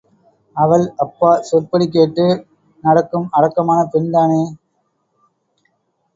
அவள் அப்பா சொற்படி கேட்டு நடக்கும் அடக்கமான பெண் தானே!